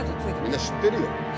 みんな知ってるよ。